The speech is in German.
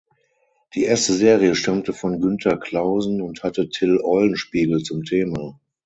Die erste Serie stammte von Günther Clausen und hatte Till Eulenspiegel zum Thema.